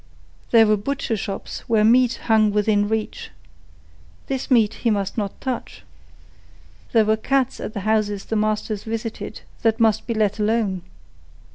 There were butcher shops where meat hung within reach. This meat he must not touch. There were cats at the houses the master visited that must be let alone.